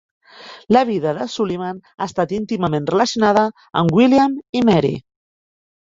La vida de Sullivan ha estat íntimament relacionada amb William i Mary.